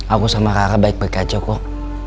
aku sama rara baik berkacau kok